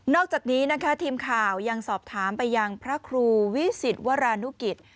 อกจากนี้นะคะทีมข่าวยังสอบถามไปยังพระครูวิสิตวรานุกิจ